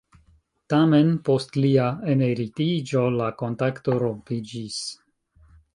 Tamen post lia emeritiĝo la kontakto rompiĝis.